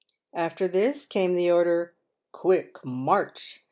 After this came the order, " Quick, march!"